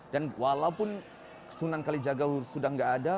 dan walaupun sunan kali jaga sudah nggak ada